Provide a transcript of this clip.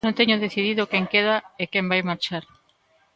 Non teño decidido quen queda e quen vai marchar.